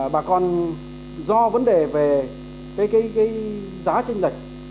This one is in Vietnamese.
bà con do vấn đề về cái giá trên đạch